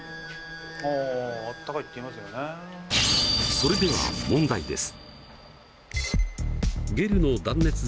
それでは問題です。